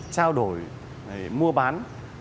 trao đổi mua bán